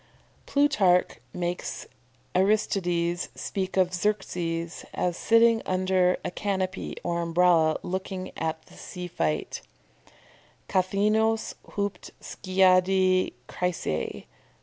"] Plutarch makes Aristides speak of Xerxes as sitting under a canopy or Umbrella looking at the sea fight "_kathaeenos hupd skiadi chrysae.